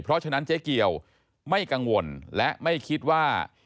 เพราะฉะนั้นเจ๊เกียวไม่กังวลและไม่คิดว่า